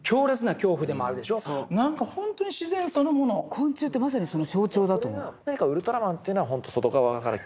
昆虫ってまさにその象徴だと思う。